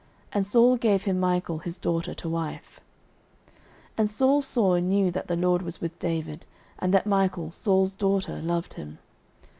And Saul gave him Michal his daughter to wife. 09:018:028 And Saul saw and knew that the LORD was with David, and that Michal Saul's daughter loved him.